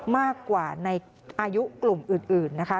มากกว่าในอายุกลุ่มอื่นนะคะ